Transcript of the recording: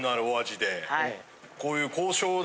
こういう。